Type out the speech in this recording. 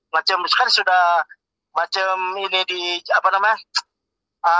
macem kan sudah macem ini di apa namanya